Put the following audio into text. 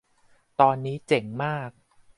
ตอนนี้เจ๋งมาก